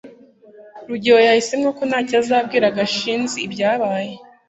rugeyo yahisemo ko ntacyo azabwira gashinzi ibyabaye